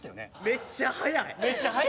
めっちゃ速い！